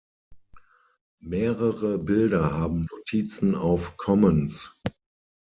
Mehrere Bilder haben Notizen auf Commons